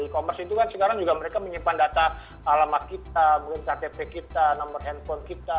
e commerce itu kan sekarang juga mereka menyimpan data alamat kita mungkin ktp kita nomor handphone kita